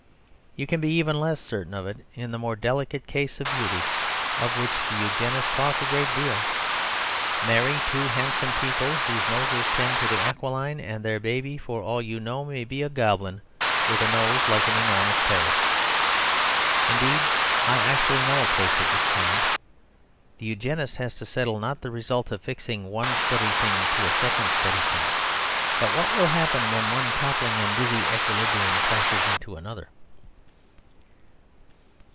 You can be even less certain of it in the more delicate case of beauty, of which the Eugenists talk a great deal. Marry two handsome people whose noses tend to the aquiline, and their baby (for all you know) may be a goblin with a nose like an enormous parrot's. Indeed, I actually know a case of this kind. The Eugenist has to settle, not the result of fixing one steady thing to a second steady thing; but what will happen when one toppling and dizzy equilibrium crashes into another.